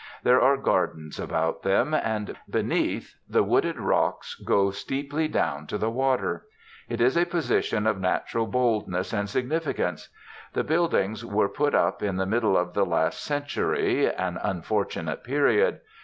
There are gardens about them; and beneath, the wooded rocks go steeply down to the water. It is a position of natural boldness and significance. The buildings were put up in the middle of last century, an unfortunate period.